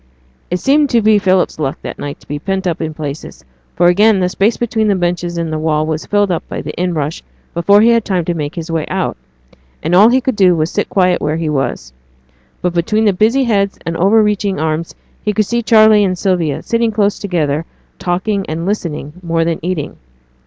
It seemed to be Philip's luck this night to be pent up in places; for again the space between the benches and the wall was filled up by the in rush before he had time to make his way out; and all he could do was to sit quiet where he was. But between the busy heads and over reaching arms he could see Charley and Sylvia, sitting close together, talking and listening more than eating.